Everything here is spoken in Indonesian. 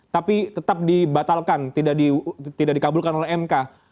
tapi tetap dibatalkan tidak dikabulkan oleh mk